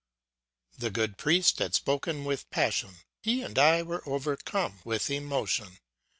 The good priest had spoken with passion; he and I were overcome with emotion.